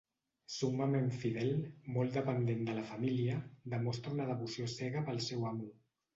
Summament fidel, molt dependent de la família, demostra una devoció cega pel seu amo.